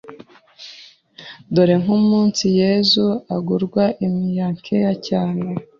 Dore nk' umunsi Yezu agurwa imiya nke cyane